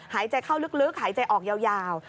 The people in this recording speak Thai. หายใจเข้าลึกหายใจออกยาว